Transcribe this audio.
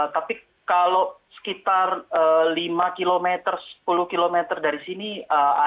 tapi kalau sekitar lima km sepuluh km dari sini ada